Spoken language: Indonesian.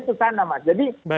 itu sebenarnya larinya ke sana mas